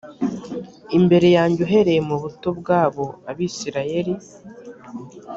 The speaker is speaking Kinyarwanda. imbere yanjye uhereye mu buto bwabo abisirayeli